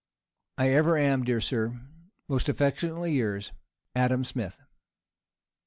I ever am, dear sir, Most affectionately yours, ADAM SMITH.